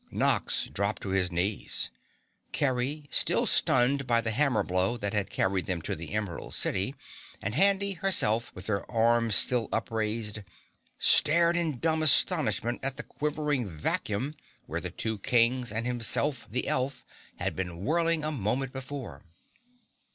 Nox dropped to his knees. Kerry, still stunned by the hammer blow that had carried them to the Emerald City, and Handy, herself, with her arms still upraised, stared in dumb astonishment at the quivering vacuum where the two Kings and Himself, the elf, had been whirling a moment before.